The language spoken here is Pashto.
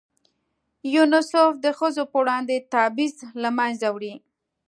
یونیسف د ښځو په وړاندې تبعیض له منځه وړي.